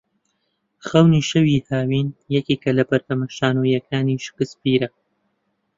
خەونی شەوی هاوین یەکێک لە بەرهەمە شانۆییەکانی شکسپیرە